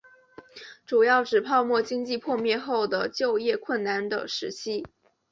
主要指泡沫经济破灭后的就业困难的时期。